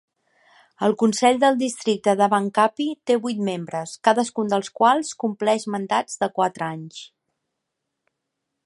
El consell del districte de Bang Kapi té vuit membres, cadascun dels quals compleix mandats de quatre anys.